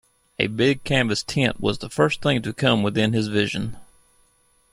A big canvas tent was the first thing to come within his vision.